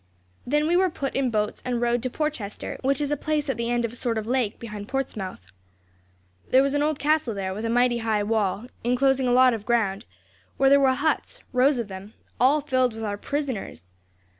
Then we were put in boats and rowed to Porchester, which is a place at the end of a sort of lake behind Portsmouth. There was an old castle there, with a mighty high wall, enclosing a lot of ground, where there were huts rows of them all filled with our prisoners.